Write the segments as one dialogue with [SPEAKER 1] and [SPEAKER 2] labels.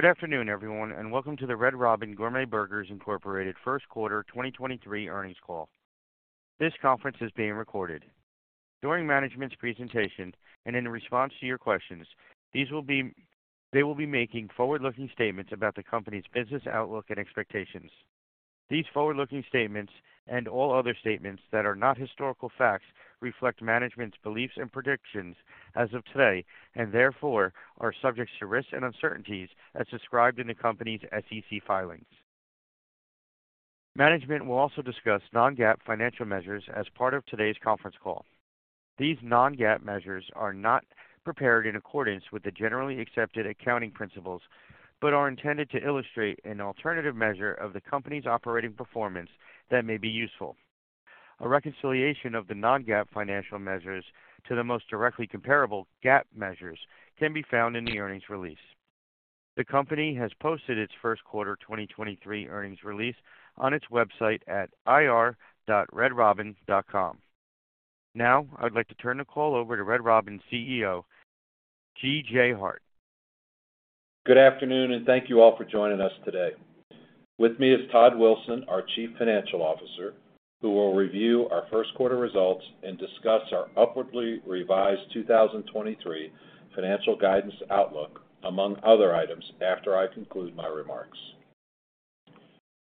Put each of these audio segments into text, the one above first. [SPEAKER 1] Good afternoon, everyone, and welcome to the Red Robin Gourmet Burgers, Inc First Quarter 2023 Earnings Call. This conference is being recorded. During management's presentation and in response to your questions, they will be making forward-looking statements about the company's business outlook and expectations. These forward-looking statements, and all other statements that are not historical facts, reflect management's beliefs and predictions as of today, and therefore are subject to risks and uncertainties as described in the company's SEC filings. Management will also discuss non-GAAP financial measures as part of today's conference call. These non-GAAP measures are not prepared in accordance with the generally accepted accounting principles, but are intended to illustrate an alternative measure of the company's operating performance that may be useful. A reconciliation of the non-GAAP financial measures to the most directly comparable GAAP measures can be found in the earnings release. The company has posted its first quarter 2023 earnings release on its website at ir.redrobin.com. Now, I'd like to turn the call over to Red Robin CEO, G.J. Hart.
[SPEAKER 2] Good afternoon, and thank you all for joining us today. With me is Todd Wilson, our Chief Financial Officer, who will review our first quarter results and discuss our upwardly revised 2023 financial guidance outlook, among other items, after I conclude my remarks.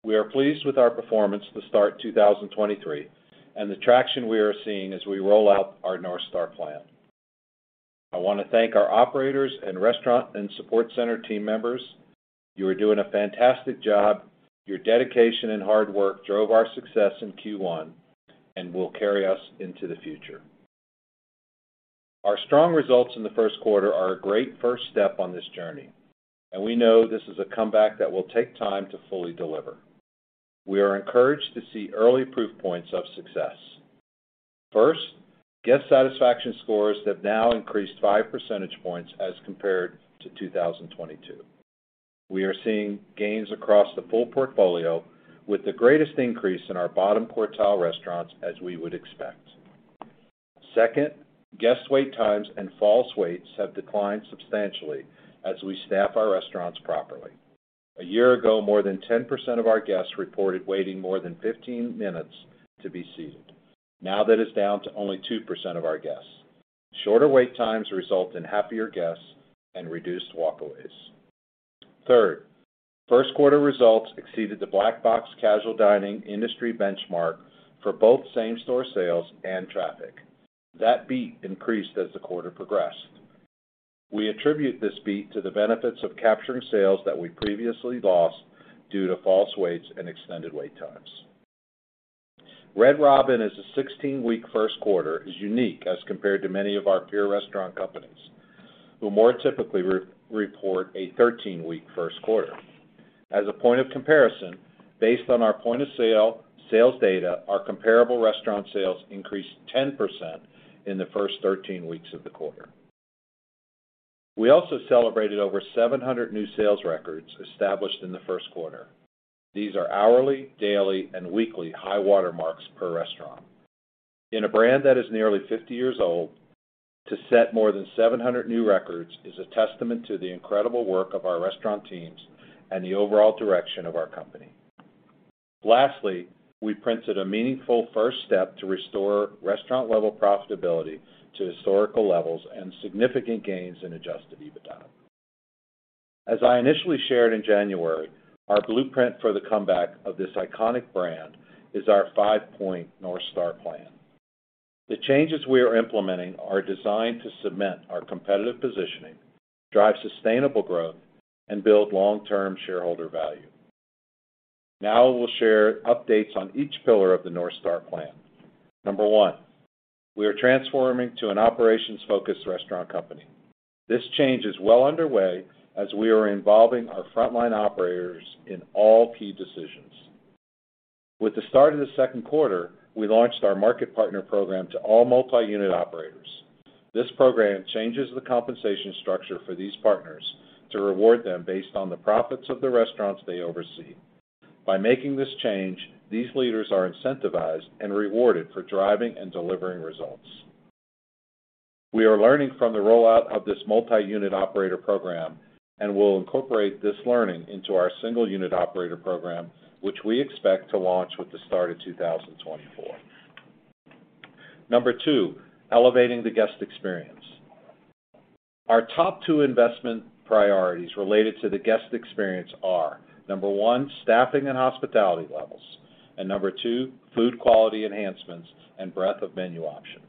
[SPEAKER 2] We are pleased with our performance to start 2023, and the traction we are seeing as we roll out our North Star plan. I want to thank our operators and restaurant and support center team members. You are doing a fantastic job. Your dedication and hard work drove our success in Q1 and will carry us into the future. Our strong results in the first quarter are a great first step on this journey, and we know this is a comeback that will take time to fully deliver. We are encouraged to see early proof points of success. First, guest satisfaction scores have now increased 5 percentage points as compared to 2022. We are seeing gains across the full portfolio, with the greatest increase in our bottom quartile restaurants, as we would expect. Second, guest wait times and false waits have declined substantially as we staff our restaurants properly. A year ago, more than 10% of our guests reported waiting more than 15 minutes to be seated. Now, that is down to only 2% of our guests. Shorter wait times result in happier guests and reduced walkaways. Third, first quarter results exceeded the Black Box Intelligence Casual dining industry benchmark for both same-store sales and traffic. That beat increased as the quarter progressed. We attribute this beat to the benefits of capturing sales that we previously lost due to false waits and extended wait times. Red Robin is a 16-week first quarter, is unique as compared to many of our peer restaurant companies, who more typically re-report a 13-week first quarter. As a point of comparison, based on our point of sale sales data, our comparable restaurant sales increased 10% in the first 13 weeks of the quarter. We also celebrated over 700 new sales records established in the first quarter. These are hourly, daily, and weekly high water marks per restaurant. In a brand that is nearly 50 years old, to set more than 700 new records is a testament to the incredible work of our restaurant teams and the overall direction of our company. Lastly, we printed a meaningful first step to restore restaurant-level profitability to historical levels and significant gains in Adjusted EBITDA. As I initially shared in January, our blueprint for the comeback of this iconic brand is our five-point North Star plan. The changes we are implementing are designed to cement our competitive positioning, drive sustainable growth, and build long-term shareholder value. Now we'll share updates on each pillar of the North Star plan. Number one, we are transforming to an operations-focused restaurant company. This change is well underway as we are involving our frontline operators in all key decisions. With the start of the second quarter, we launched our Market Partner program to all multi-unit operators. This program changes the compensation structure for these partners to reward them based on the profits of the restaurants they oversee. By making this change, these leaders are incentivized and rewarded for driving and delivering results. We are learning from the rollout of this multi-unit operator program and will incorporate this learning into our single unit operator program, which we expect to launch with the start of 2024. Number two, elevating the guest experience. Our top two investment priorities related to the guest experience are, number one, staffing and hospitality levels, and number two, food quality enhancements and breadth of menu options.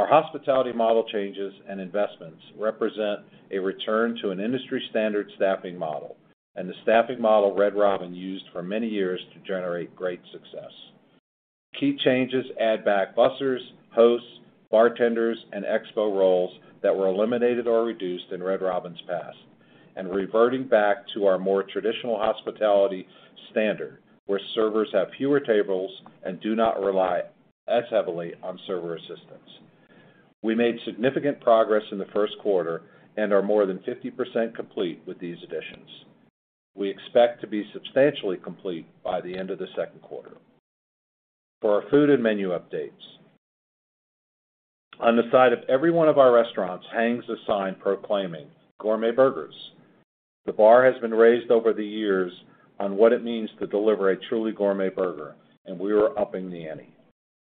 [SPEAKER 2] Our hospitality model changes and investments represent a return to an industry standard staffing model and the staffing model Red Robin used for many years to generate great success. Key changes add back busers, hosts, bartenders, and expo roles that were eliminated or reduced in Red Robin's past and reverting back to our more traditional hospitality standard, where servers have fewer tables and do not rely as heavily on server assistants. We made significant progress in the first quarter and are more than 50% complete with these additions. We expect to be substantially complete by the end of the second quarter. For our food and menu updates. On the side of every one of our restaurants hangs a sign proclaiming gourmet burgers. The bar has been raised over the years on what it means to deliver a truly gourmet burger, and we are upping the ante.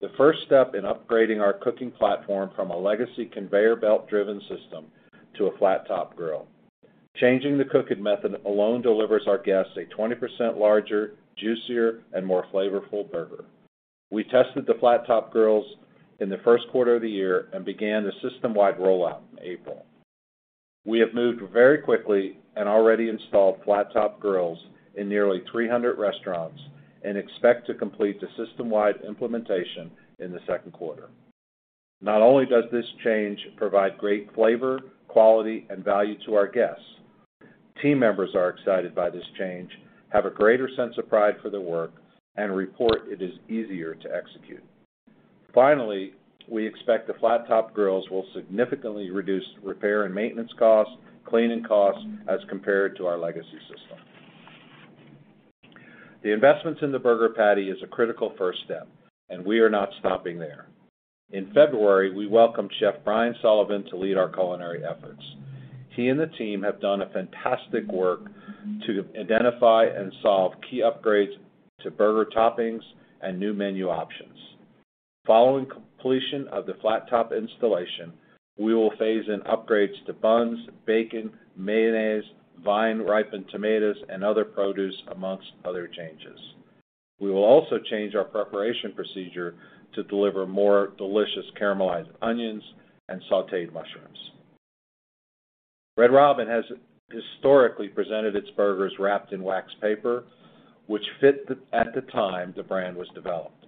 [SPEAKER 2] The first step in upgrading our cooking platform from a legacy conveyor belt-driven system to a flat-top grill. Changing the cooking method alone delivers our guests a 20% larger, juicier, and more flavorful burger. We tested the flat-top grills in the first quarter of the year and began the system-wide rollout in April. We have moved very quickly and already installed flat-top grills in nearly 300 restaurants and expect to complete the system-wide implementation in the 2nd quarter. Not only does this change provide great flavor, quality, and value to our guests, team members are excited by this change, have a greater sense of pride for their work, and report it is easier to execute. Finally, we expect the flat-top grills will significantly reduce repair and maintenance costs, cleaning costs as compared to our legacy system. The investments in the burger patty is a critical first step, and we are not stopping there. In February, we welcomed Chef Brian Sullivan to lead our culinary efforts. He and the team have done a fantastic work to identify and solve key upgrades to burger toppings and new menu options. Following completion of the flat-top installation, we will phase in upgrades to buns, bacon, mayonnaise, vine-ripened tomatoes, and other produce among other changes. We will also change our preparation procedure to deliver more delicious caramelized onions and sautéed mushrooms. Red Robin has historically presented its burgers wrapped in wax paper, which fit at the time the brand was developed.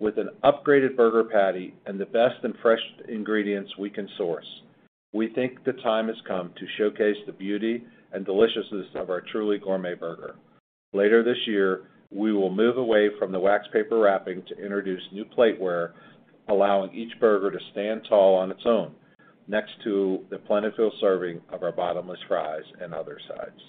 [SPEAKER 2] With an upgraded burger patty and the best and fresh ingredients we can source, we think the time has come to showcase the beauty and deliciousness of our truly gourmet burger. Later this year, we will move away from the wax paper wrapping to introduce new plateware, allowing each burger to stand tall on its own next to the plentiful serving of our Bottomless fries and other sides.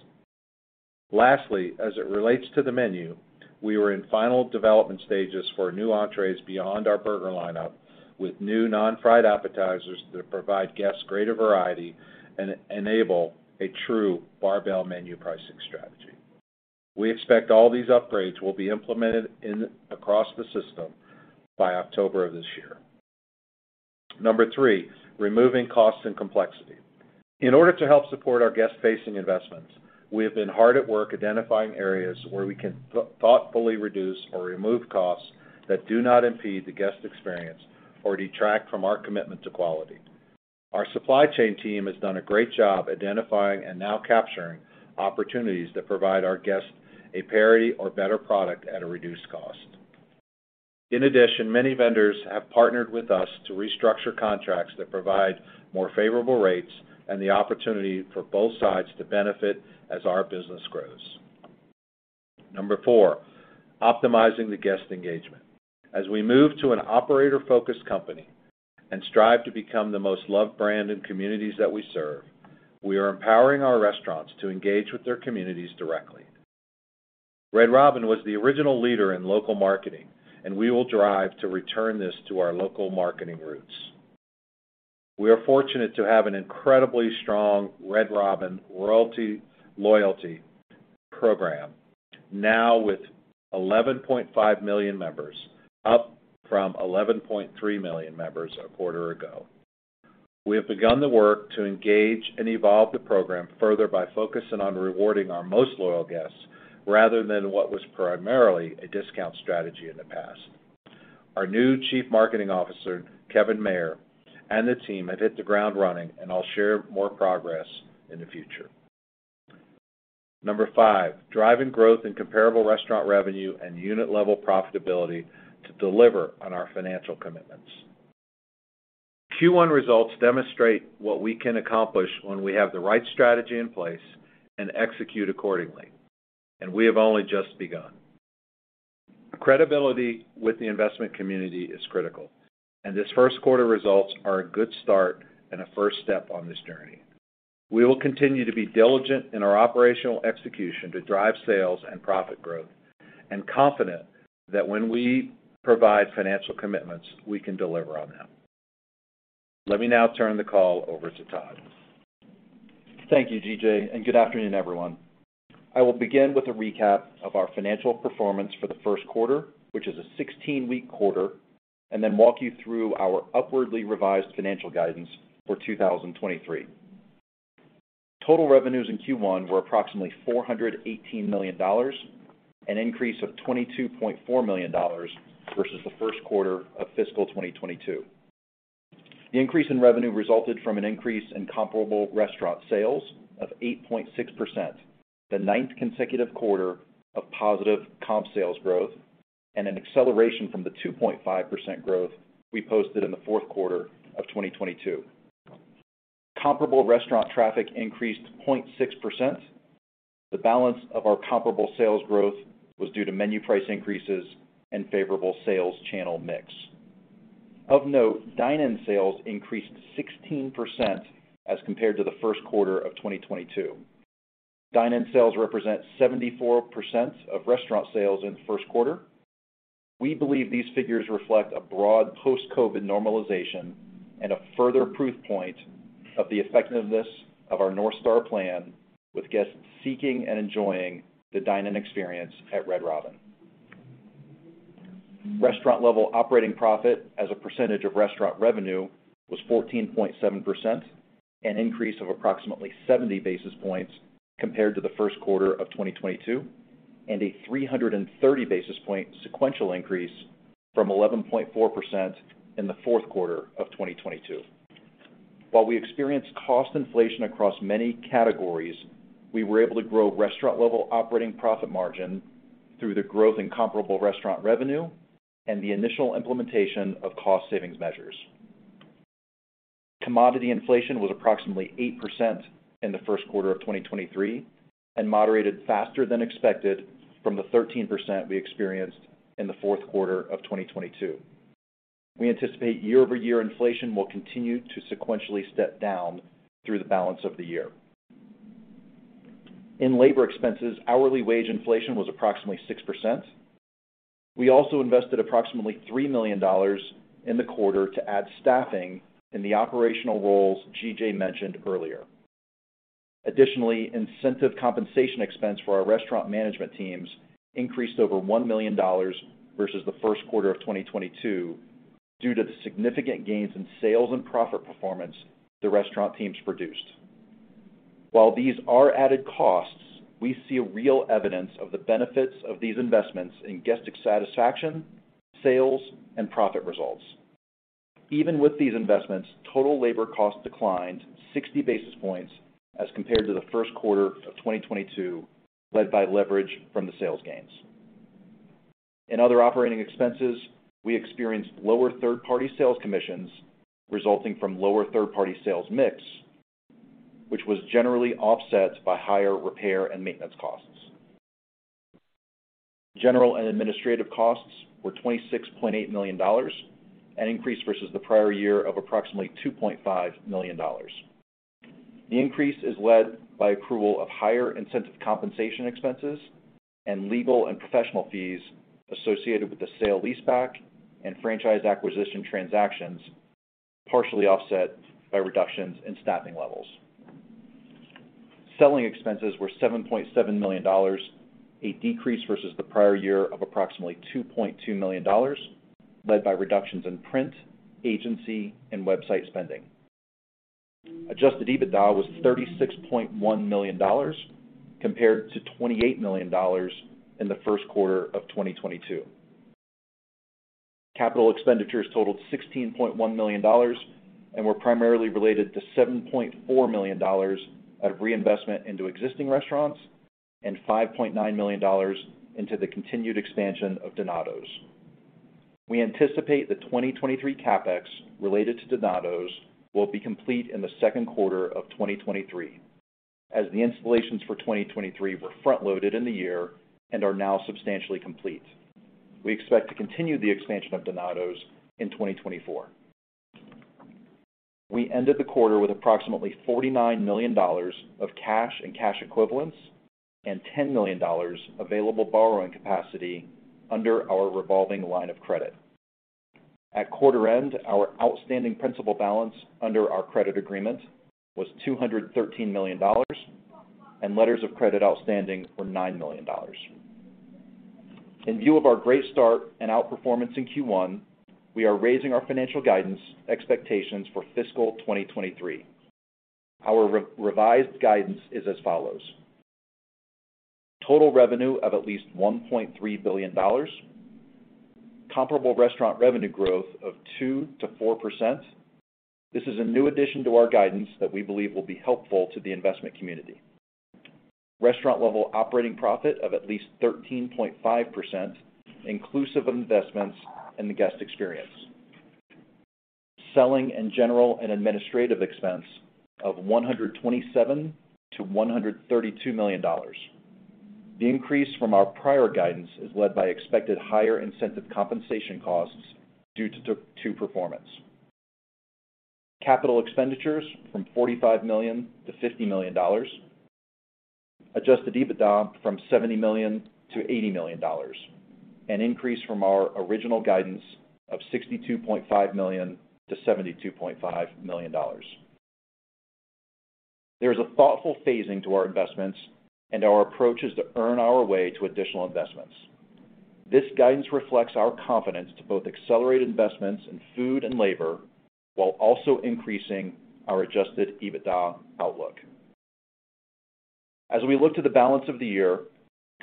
[SPEAKER 2] Lastly, as it relates to the menu, we are in final development stages for new entrees beyond our burger lineup with new non-fried appetizers that provide guests greater variety and enable a true barbell menu pricing strategy. We expect all these upgrades will be implemented in across the system by October of this year. Number three, removing costs and complexity. In order to help support our guest-facing investments, we have been hard at work identifying areas where we can thoughtfully reduce or remove costs that do not impede the guest experience or detract from our commitment to quality. Our supply chain team has done a great job identifying and now capturing opportunities that provide our guests a parity or better product at a reduced cost. In addition, many vendors have partnered with us to restructure contracts that provide more favorable rates and the opportunity for both sides to benefit as our business grows. Number four, optimizing the guest engagement. As we move to an operator-focused company and strive to become the most loved brand in communities that we serve, we are empowering our restaurants to engage with their communities directly. Red Robin was the original leader in local marketing, and we will drive to return this to our local marketing roots. We are fortunate to have an incredibly strong Red Robin Royalty loyalty program now with 11.5 million members, up from 11.3 million members a quarter ago. We have begun the work to engage and evolve the program further by focusing on rewarding our most loyal guests rather than what was primarily a discount strategy in the past. Our new Chief Marketing Officer, Kevin Mayer, and the team have hit the ground running. I'll share more progress in the future. Number five: driving growth in comparable restaurant revenue and unit-level profitability to deliver on our financial commitments. Q1 results demonstrate what we can accomplish when we have the right strategy in place and execute accordingly. We have only just begun. Credibility with the investment community is critical. This first quarter results are a good start and a first step on this journey. We will continue to be diligent in our operational execution to drive sales and profit growth and confident that when we provide financial commitments, we can deliver on them. Let me now turn the call over to Todd.
[SPEAKER 3] Thank you, G.J., and good afternoon, everyone. I will begin with a recap of our financial performance for the first quarter, which is a 16-week quarter, and then walk you through our upwardly revised financial guidance for 2023. Total revenues in Q1 were approximately $418 million, an increase of $22.4 million versus the first quarter of fiscal 2022. The increase in revenue resulted from an increase in comparable restaurant sales of 8.6%, the ninth consecutive quarter of positive comp sales growth and an acceleration from the 2.5% growth we posted in the fourth quarter of 2022. Comparable restaurant traffic increased 0.6%. The balance of our comparable sales growth was due to menu price increases and favorable sales channel mix. Of note, dine-in sales increased 16% as compared to the first quarter of 2022. Dine-in sales represent 74% of restaurant sales in the first quarter. We believe these figures reflect a broad post-COVID normalization and a further proof point of the effectiveness of our North Star plan, with guests seeking and enjoying the dine-in experience at Red Robin. Restaurant Level Operating Profit as a percentage of restaurant revenue was 14.7%, an increase of approximately 70 basis points compared to the first quarter of 2022, and a 330 basis point sequential increase from 11.4% in the fourth quarter of 2022. While we experienced cost inflation across many categories, we were able to grow Restaurant Level Operating Profit margin through the growth in comparable restaurant revenue and the initial implementation of cost savings measures. Commodity inflation was approximately 8% in the first quarter of 2023 and moderated faster than expected from the 13% we experienced in the fourth quarter of 2022. We anticipate year-over-year inflation will continue to sequentially step down through the balance of the year. In labor expenses, hourly wage inflation was approximately 6%. We also invested approximately $3 million in the quarter to add staffing in the operational roles G.J. mentioned earlier. Additionally, incentive compensation expense for our restaurant management teams increased over $1 million versus the first quarter of 2022 due to the significant gains in sales and profit performance the restaurant teams produced. While these are added costs, we see real evidence of the benefits of these investments in guest satisfaction, sales and profit results. Even with these investments, total labor costs declined 60 basis points as compared to the first quarter of 2022, led by leverage from the sales gains. In other operating expenses, we experienced lower third party sales commissions resulting from lower third party sales mix, which was generally offset by higher repair and maintenance costs. General and administrative costs were $26.8 million, an increase versus the prior year of approximately $2.5 million. The increase is led by approval of higher incentive compensation expenses and legal and professional fees associated with the sale-leaseback and franchise acquisition transactions, partially offset by reductions in staffing levels. Selling expenses were $7.7 million, a decrease versus the prior year of approximately $2.2 million, led by reductions in print, agency and website spending. Adjusted EBITDA was $36.1 million, compared to $28 million in the first quarter of 2022. Capital expenditures totaled $16.1 million and were primarily related to $7.4 million of reinvestment into existing restaurants and $5.9 million into the continued expansion of Donatos. We anticipate the 2023 CapEx related to Donatos will be complete in the second quarter of 2023, as the installations for 2023 were front loaded in the year and are now substantially complete. We expect to continue the expansion of Donatos in 2024. We ended the quarter with approximately $49 million of cash and cash equivalents and $10 million available borrowing capacity under our revolving line of credit. At quarter end, our outstanding principal balance under our credit agreement was $213 million. Letters of credit outstanding were $9 million. In view of our great start and outperformance in Q1, we are raising our financial guidance expectations for fiscal 2023. Our re-revised guidance is as follows. Total revenue of at least $1.3 billion. Comparable restaurant revenue growth of 2%-4%. This is a new addition to our guidance that we believe will be helpful to the investment community. Restaurant Level Operating Profit of at least 13.5%, inclusive of investments in the guest experience. Selling and general and administrative expense of $127 million-$132 million. The increase from our prior guidance is led by expected higher incentive compensation costs due to performance. Capital expenditures from $45 million-$50 million. Adjusted EBITDA from $70 million-$80 million, an increase from our original guidance of $62.5 million-$72.5 million. There is a thoughtful phasing to our investments and our approach is to earn our way to additional investments. This guidance reflects our confidence to both accelerate investments in food and labor while also increasing our adjusted EBITDA outlook. As we look to the balance of the year,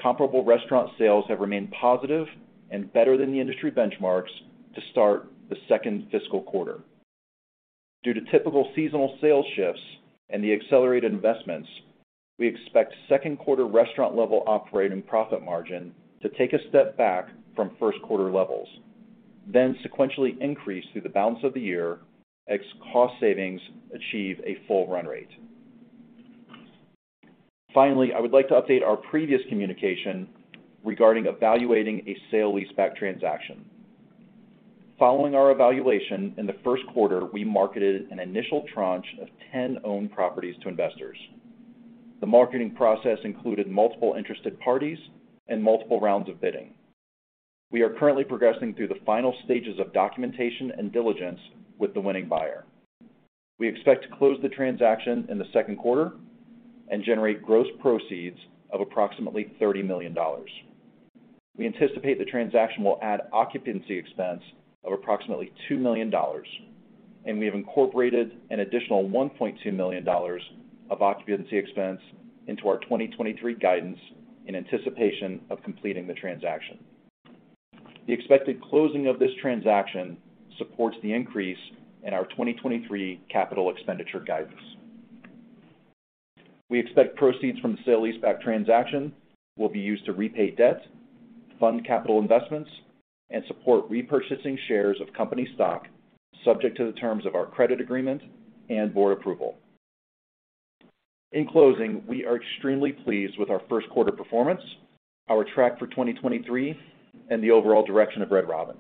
[SPEAKER 3] comparable restaurant sales have remained positive and better than the industry benchmarks to start the second fiscal quarter. Due to typical seasonal sales shifts and the accelerated investments, we expect second quarter Restaurant Level Operating Profit margin to take a step back from first quarter levels, then sequentially increase through the balance of the year as cost savings achieve a full run rate. Finally, I would like to update our previous communication regarding evaluating a sale-leaseback transaction. Following our evaluation, in the first quarter, we marketed an initial tranche of 10 owned properties to investors. The marketing process included multiple interested parties and multiple rounds of bidding. We are currently progressing through the final stages of documentation and diligence with the winning buyer. We expect to close the transaction in the second quarter and generate gross proceeds of approximately $30 million. We anticipate the transaction will add occupancy expense of approximately $2 million, and we have incorporated an additional $1.2 million of occupancy expense into our 2023 guidance in anticipation of completing the transaction. The expected closing of this transaction supports the increase in our 2023 capital expenditure guidance. We expect proceeds from the sale-leaseback transaction will be used to repay debt, fund capital investments, and support repurchasing shares of company stock subject to the terms of our credit agreement and board approval. In closing, we are extremely pleased with our first quarter performance, our track for 2023, and the overall direction of Red Robin.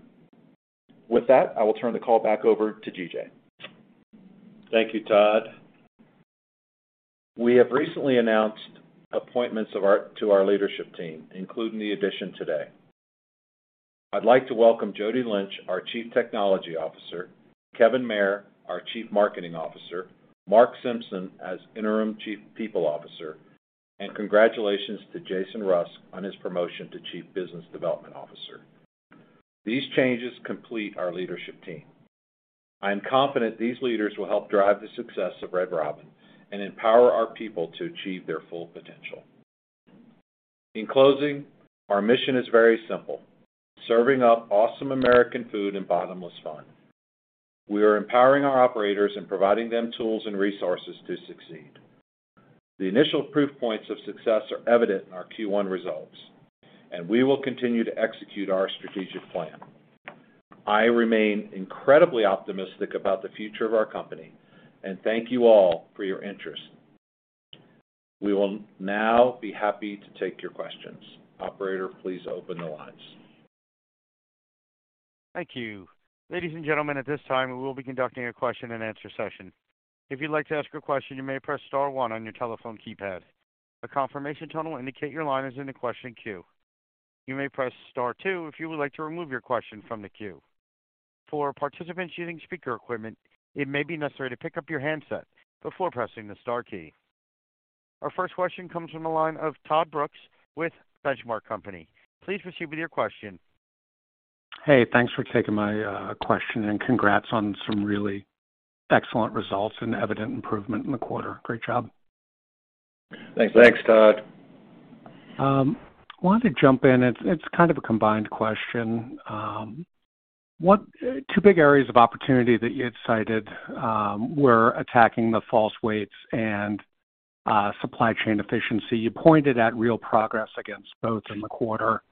[SPEAKER 3] With that, I will turn the call back over to G.J.
[SPEAKER 2] Thank you, Todd. We have recently announced appointments to our leadership team, including the addition today. I'd like to welcome Jyoti Lynch, our Chief Technology Officer, Kevin Mayer, our Chief Marketing Officer, Mark Simpson as Interim Chief People Officer, and congratulations to Jason Rusk on his promotion to Chief Business Development Officer. These changes complete our leadership team. I am confident these leaders will help drive the success of Red Robin and empower our people to achieve their full potential. In closing, our mission is very simple: serving up awesome American food and bottomless fun. We are empowering our operators and providing them tools and resources to succeed. The initial proof points of success are evident in our Q1 results, and we will continue to execute our strategic plan. I remain incredibly optimistic about the future of our company, and thank you all for your interest. We will now be happy to take your questions. Operator, please open the lines.
[SPEAKER 1] Thank you. Ladies and gentlemen, at this time, we will be conducting a question-and-answer session. If you'd like to ask a question, you may press star one on your telephone keypad. A confirmation tone will indicate your line is in the question queue. You may press star two if you would like to remove your question from the queue. For participants using speaker equipment, it may be necessary to pick up your handset before pressing the star key. Our first question comes from the line of Todd Brooks with Benchmark Company. Please proceed with your question.
[SPEAKER 4] Hey, thanks for taking my question. Congrats on some really excellent results and evident improvement in the quarter. Great job.
[SPEAKER 2] Thanks. Thanks, Todd.
[SPEAKER 4] Wanted to jump in. It's kind of a combined question. Two big areas of opportunity that you had cited, were attacking the false waits and supply chain efficiency. You pointed at real progress against both in the quarter.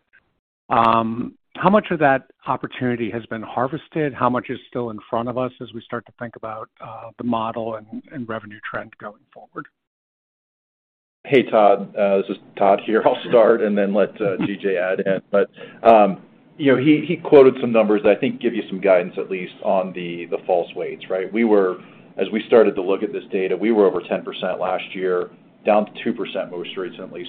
[SPEAKER 4] How much of that opportunity has been harvested? How much is still in front of us as we start to think about the model and revenue trend going forward?
[SPEAKER 3] Hey, Todd. This is Todd here. I'll start and then let G.J. add in. You know, he quoted some numbers that I think give you some guidance, at least on the false waits, right? As we started to look at this data, we were over 10% last year, down to 2% most recently.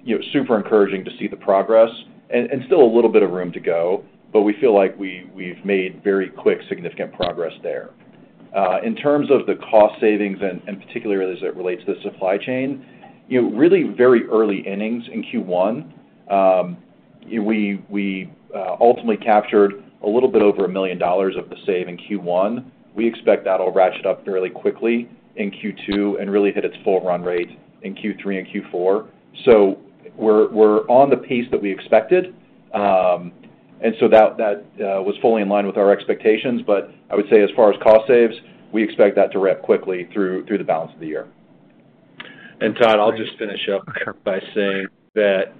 [SPEAKER 3] You know, super encouraging to see the progress and still a little bit of room to go, but we feel like we've made very quick, significant progress there. In terms of the cost savings and particularly as it relates to the supply chain, you know, really very early innings in Q1. We ultimately captured a little bit over $1 million of the save in Q1. We expect that'll ratchet up fairly quickly in Q2 and really hit its full run rate in Q3 and Q4. We're on the pace that we expected. That was fully in line with our expectations. I would say as far as cost saves, we expect that to ramp quickly through the balance of the year.
[SPEAKER 2] Todd, I'll just finish up by saying that,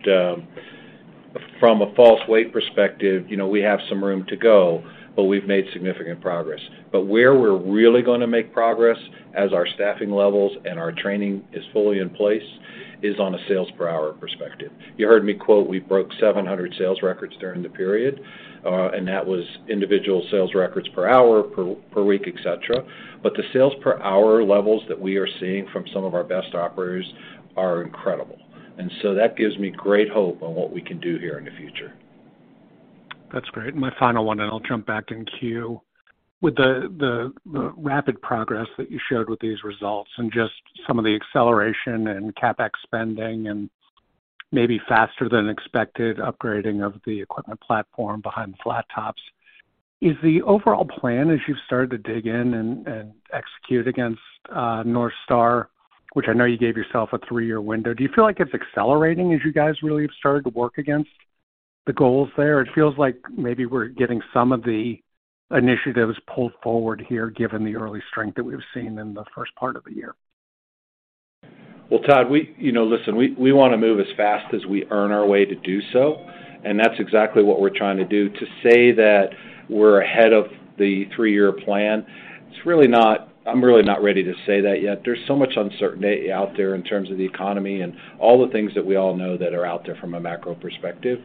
[SPEAKER 2] from a false waits perspective, you know, we have some room to go, but we've made significant progress. Where we're really gonna make progress as our staffing levels and our training is fully in place is on a sales per hour perspective. You heard me quote, we broke 700 sales records during the period, and that was individual sales records per hour, per week, et cetera. The sales per hour levels that we are seeing from some of our best operators are incredible. That gives me great hope on what we can do here in the future.
[SPEAKER 4] That's great. My final one, and I'll jump back in queue. With the rapid progress that you showed with these results and just some of the acceleration and CapEx spending and maybe faster than expected upgrading of the equipment platform behind the flat tops, is the overall plan as you've started to dig in and execute against North Star, which I know you gave yourself a three-year window, do you feel like it's accelerating as you guys really have started to work against the goals there? It feels like maybe we're getting some of the initiatives pulled forward here, given the early strength that we've seen in the first part of the year.
[SPEAKER 2] Todd, we, you know, listen, we wanna move as fast as we earn our way to do so, and that's exactly what we're trying to do. To say that we're ahead of the three-year plan. I'm really not ready to say that yet. There's so much uncertainty out there in terms of the economy and all the things that we all know that are out there from a macro perspective.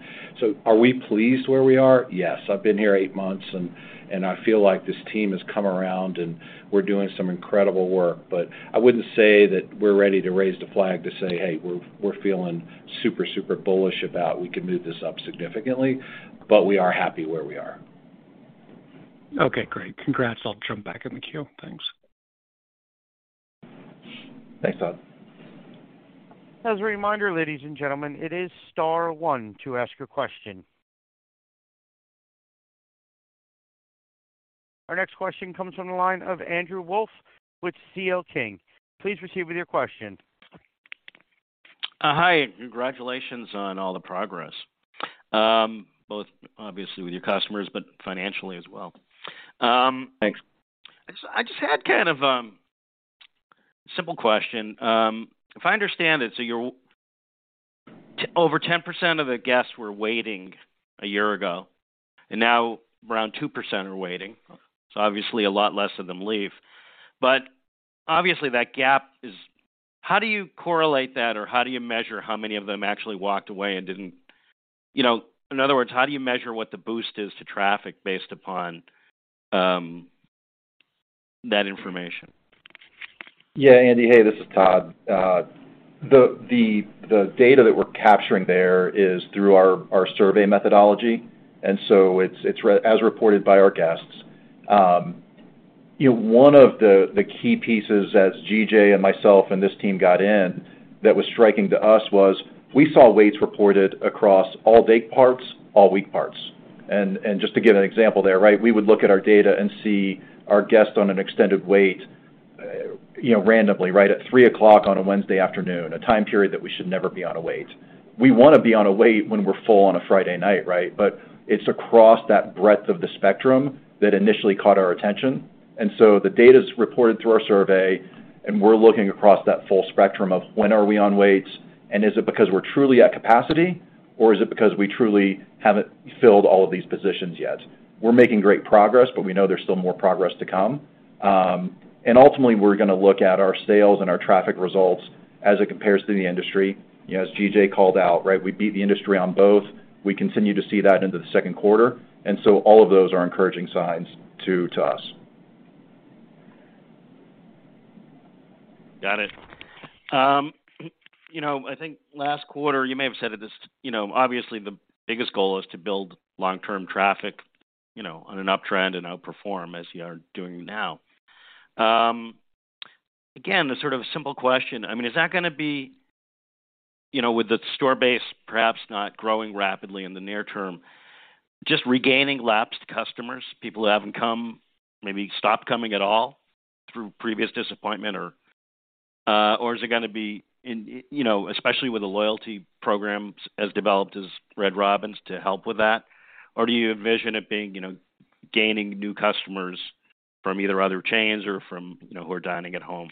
[SPEAKER 2] Are we pleased where we are? Yes. I've been here eight months, and I feel like this team has come around, and we're doing some incredible work. I wouldn't say that we're ready to raise the flag to say, "Hey, we're feeling super bullish about we can move this up significantly," but we are happy where we are.
[SPEAKER 4] Okay, great. Congrats. I'll jump back in the queue. Thanks.
[SPEAKER 2] Thanks, Todd.
[SPEAKER 1] As a reminder, ladies and gentlemen, it is star one to ask your question. Our next question comes from the line of Andrew Wolf with C.L. King. Please proceed with your question.
[SPEAKER 5] Hi, congratulations on all the progress, both obviously with your customers, but financially as well.
[SPEAKER 2] Thanks.
[SPEAKER 5] I just had kind of, a simple question. If I understand it, your over 10% of the guests were waiting a year ago, and now around 2% are waiting, so obviously a lot less of them leave. Obviously, how do you correlate that, or how do you measure how many of them actually walked away? You know, in other words, how do you measure what the boost is to traffic based upon, that information?
[SPEAKER 3] Yeah, Andy. Hey, this is Todd. The data that we're capturing there is through our survey methodology, and so it's as reported by our guests. You know, one of the key pieces, as G.J. and myself and this team got in, that was striking to us was we saw waits reported across all day parts, all week parts. Just to give an example there, right, we would look at our data and see our guest on an extended wait, you know, randomly, right, at 3:00 on a Wednesday afternoon, a time period that we should never be on a wait. We wanna be on a wait when we're full on a Friday night, right? It's across that breadth of the spectrum that initially caught our attention. The data's reported through our survey, and we're looking across that full spectrum of when are we on waits, and is it because we're truly at capacity, or is it because we truly haven't filled all of these positions yet? We're making great progress, but we know there's still more progress to come. Ultimately, we're gonna look at our sales and our traffic results as it compares to the industry. You know, as G.J. called out, right, we beat the industry on both. We continue to see that into the second quarter. All of those are encouraging signs to us.
[SPEAKER 5] Got it. I think last quarter you may have said it is, obviously, the biggest goal is to build long-term traffic on an uptrend and outperform as you are doing now. Again, a sort of a simple question. I mean, is that gonna be with the store base perhaps not growing rapidly in the near term, just regaining lapsed customers, people who haven't come, maybe stopped coming at all through previous disappointment, or is it gonna be in, especially with the loyalty programs as developed as Red Robin's to help with that? Do you envision it being gaining new customers from either other chains or from who are dining at home?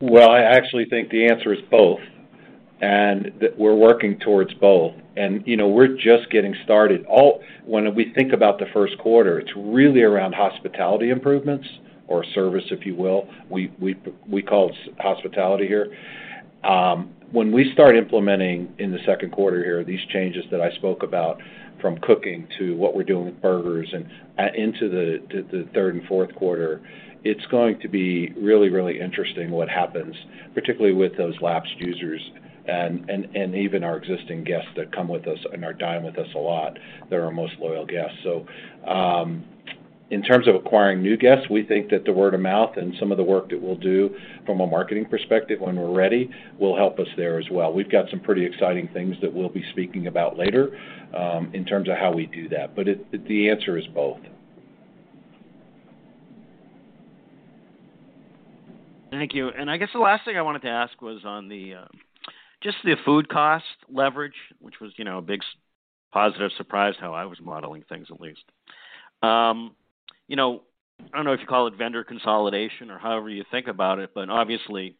[SPEAKER 2] Well, I actually think the answer is both, and that we're working towards both. You know, we're just getting started. When we think about the first quarter, it's really around hospitality improvements or service, if you will. We call it hospitality here. When we start implementing in the second quarter here, these changes that I spoke about, from cooking to what we're doing with burgers and into the third and fourth quarter, it's going to be really, really interesting what happens, particularly with those lapsed users and even our existing guests that come with us and are dining with us a lot. They're our most loyal guests. In terms of acquiring new guests, we think that the word of mouth and some of the work that we'll do from a marketing perspective when we're ready will help us there as well. We've got some pretty exciting things that we'll be speaking about later, in terms of how we do that. The answer is both.
[SPEAKER 5] Thank you. I guess the last thing I wanted to ask was on the just the food cost leverage, which was, you know, a big positive surprise how I was modeling things, at least. You know, I don't know if you call it vendor consolidation or however you think about it, but obviously, it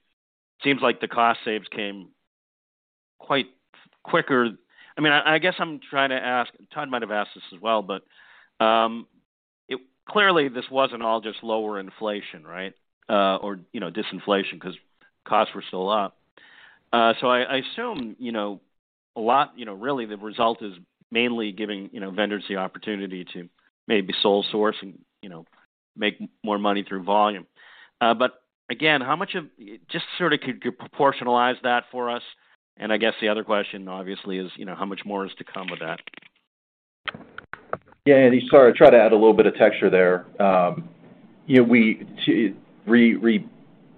[SPEAKER 5] seems like the cost saves came quite quicker. I mean, I guess I'm trying to ask, Todd might have asked this as well, but clearly this wasn't all just lower inflation, right? You know, disinflation 'cause costs were still up. I assume, you know, a lot, you know, really the result is mainly giving, you know, vendors the opportunity to maybe sole source and, you know, make more money through volume. Again, how much of... Just sort of could you proportionalize that for us? I guess the other question obviously is, you know, how much more is to come with that?
[SPEAKER 3] Sorry, I tried to add a little bit of texture there. You know,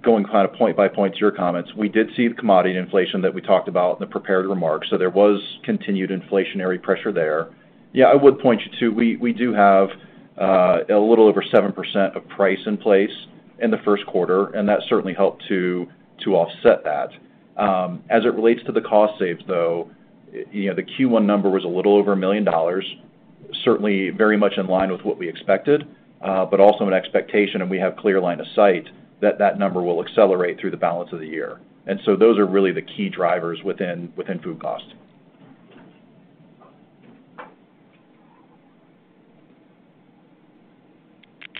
[SPEAKER 3] going kind of point by point to your comments, we did see the commodity inflation that we talked about in the prepared remarks, so there was continued inflationary pressure there. I would point you to, we do have a little over 7% of price in place in the first quarter, and that certainly helped to offset that. As it relates to the cost saves, though, you know, the Q1 number was a little over $1 million, certainly very much in line with what we expected, but also an expectation, and we have clear line of sight that that number will accelerate through the balance of the year. Those are really the key drivers within food costs.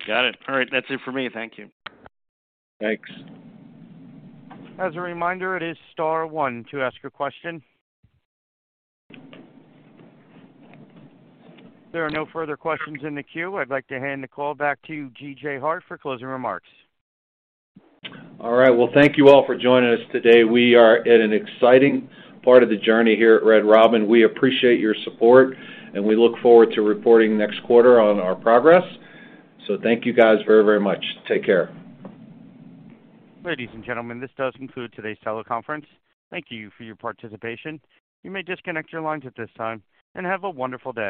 [SPEAKER 5] Got it. All right. That's it for me. Thank you.
[SPEAKER 2] Thanks.
[SPEAKER 1] As a reminder, it is star one to ask a question. There are no further questions in the queue. I'd like to hand the call back to G.J. Hart for closing remarks.
[SPEAKER 2] All right. Well, thank you all for joining us today. We are at an exciting part of the journey here at Red Robin. We appreciate your support, and we look forward to reporting next quarter on our progress. Thank you guys very, very much. Take care.
[SPEAKER 1] Ladies and gentlemen, this does conclude today's teleconference. Thank you for your participation. You may disconnect your lines at this time, and have a wonderful day.